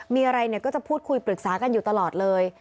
มีอะไรเนี่ยก็จะพูดคุยปรึกษากันอยู่ตลอดเลย